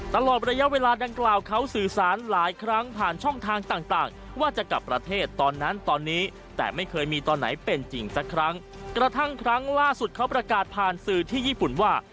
ตลอดระยะเวลาดังกล่าวเขาสื่อสารหลายครั้งผ่านช่องทางต่างต่างว่าจะกลับประเทศตอนนั้นตอนนี้แต่ไม่เคยมีตอนไหนเป็นจริงสักครั้งกระทั่งครั้งล่าสุดเขาประกาศผ่านสื่อที่ญี่ปุ่นว่า